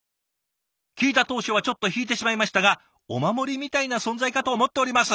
「聞いた当初はちょっと引いてしまいましたがお守りみたいな存在かと思っております」。